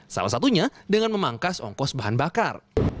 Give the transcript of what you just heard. salah satunya dengan memangkas ongkos bahan bakar